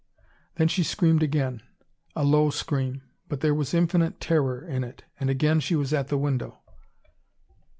Then she screamed again. A low scream; but there was infinite terror in it. And again she was at the window.